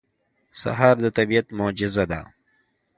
سهار د طبیعت معجزه ده.